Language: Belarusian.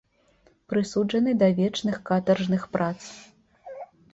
Прысуджаны да вечных катаржных прац.